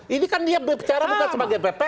ini kan dia bicara bukan sebagai pp